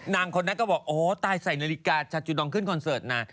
นางคนนั้นก็บอกโอ๊ะใส่นาฬิกาชาญจุดองค์ขึ้นคอนเสิรตน่ะ